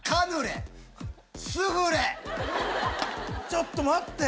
ちょっと待って！